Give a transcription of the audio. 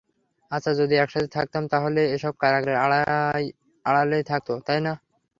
আচ্ছা, যদি একসাথে থাকতাম, তাহলে এসব কারাগারের আড়ালেই থাকত, তাই না?